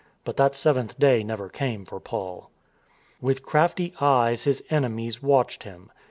But that seventh day never came for Paul. With crafty eyes his enemies watched him.